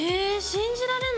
信じられないね。